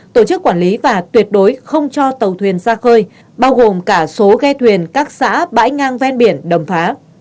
tổ chức quản lý và tuyệt đối không cho tàu thuyền ra khơi bao gồm cả số ghe thuyền các xã bãi ngang ven biển đầm phá